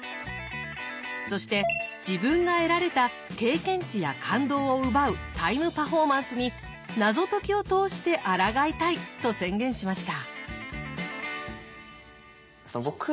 そして自分が得られた経験値や感動を奪うタイムパフォーマンスに謎解きを通してあらがいたいと宣言しました。